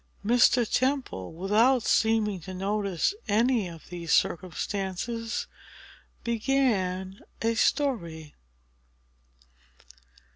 Mr. Temple, without seeming to notice any of these circumstances, began a story.